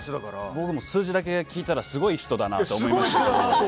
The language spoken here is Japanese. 僕も数字だけ聞いたらすごい人だなと思います。